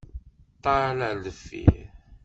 Ṭṭal ar deffir.